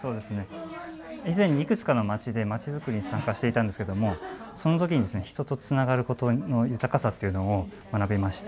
以前、いくつかのまちでまちづくりに参加していたのですが、そのときに人とつながることの豊かさというのを学びました。